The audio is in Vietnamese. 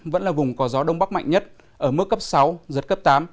vẫn là vùng có gió đông bắc mạnh nhất ở mức cấp sáu giật cấp tám